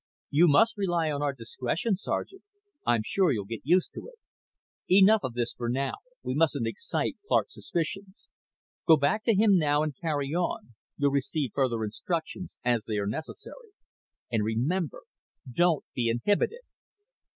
"You must rely on our discretion, Sergeant. I'm sure you'll get used to it. Enough of this for now. We mustn't excite Clark's suspicions. Go back to him now and carry on. You'll receive further instructions as they are necessary. And remember don't be inhibited."